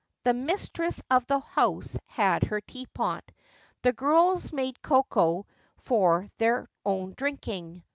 The mistress of the house had her teapot ; the girls made cocoa for their own drinking.